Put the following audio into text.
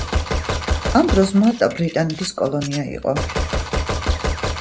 ამ დროს მალტა ბრიტანეთის კოლონია იყო.